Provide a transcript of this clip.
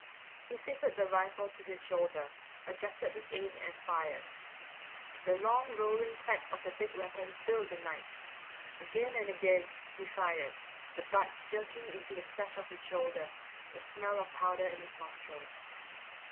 He fitted the rifle to his shoulder, adjusted his aim, and fired. The long rolling crack of the big weapon filled the night. Again and again he fired, the butt jerking into the flesh of his shoulder, the smell of powder in his nostrils.